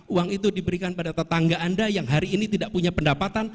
uang itu diberikan pada tetangga anda yang hari ini tidak punya pendapatan